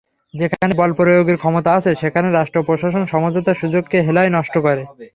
যেখানে বলপ্রয়োগের ক্ষমতা আছে, সেখানে রাষ্ট্র-প্রশাসন সমঝোতার সুযোগকে হেলায় নষ্ট করে।